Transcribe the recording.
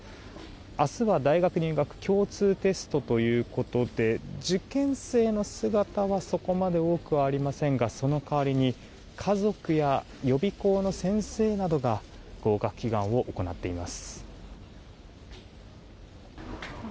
明日は大学入学共通テストということで受験生の姿はそこまで多くありませんがその代わりに家族や予備校の先生などが合格祈願を行っています。